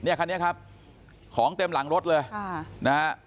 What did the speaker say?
คันนี้ครับของเต็มหลังรถเลยค่ะนะฮะ